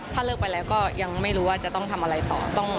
ถ้าเลิกไปแล้วก็ยังไม่รู้ว่าจะต้องทำอะไรต่อ